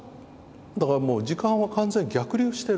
だからもう時間は完全に逆流してる。